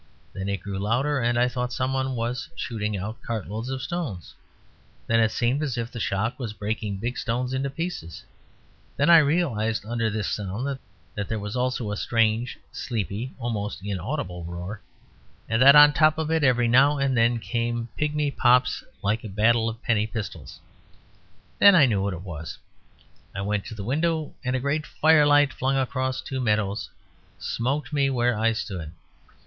Then it grew louder, and I thought somebody was shooting out cartloads of stones; then it seemed as if the shock was breaking big stones into pieces. Then I realised that under this sound there was also a strange, sleepy, almost inaudible roar; and that on top of it every now and then came pigmy pops like a battle of penny pistols. Then I knew what it was. I went to the window; and a great firelight flung across two meadows smote me where I stood.